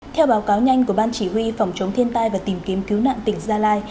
theo báo cáo nhanh của ban chỉ huy phòng chống thiên tai và tìm kiếm cứu nạn tỉnh gia lai